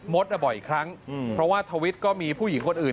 มดอ่ะบ่อยอีกครั้งอืมเพราะว่าธวิทย์ก็มีผู้หญิงคนอื่น